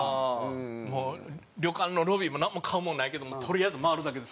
もう旅館のロビーもなんも買うもんないけどとりあえず回るだけです